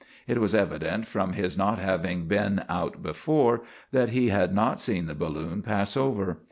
It was evident, from his not having been out before, that he had not seen the balloon pass over.